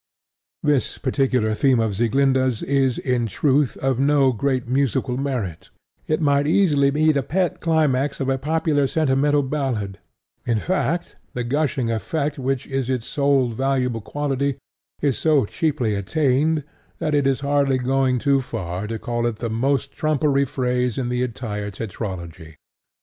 This particular theme of Sieglinda's is, in truth, of no great musical merit: it might easily be the pet climax of a popular sentimental ballad: in fact, the gushing effect which is its sole valuable quality is so cheaply attained that it is hardly going too far to call it the most trumpery phrase in the entire tetralogy.